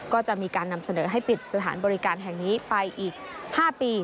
ก็จะมีการนำเสนอให้ปิดสถานบริการแห่งนี้ไปอีก๕ปี